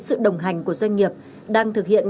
sự đồng hành của doanh nghiệp đang thực hiện